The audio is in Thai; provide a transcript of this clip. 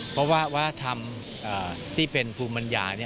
เพราะว่าวัฒนธรรมที่เป็นภูมิปัญญา